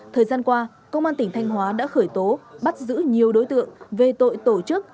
thời gian qua công an tỉnh thanh hóa đã khởi tố bắt giữ nhiều đối tượng về tội tổ chức